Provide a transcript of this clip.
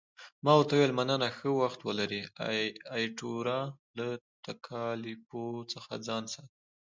ما ورته وویل، مننه، ښه وخت ولرې، ایټوره، له تکالیفو څخه ځان ساته.